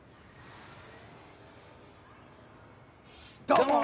どうも！